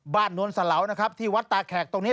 บ้านนวลสาเหลาที่วัฏตาแขกตรงนี้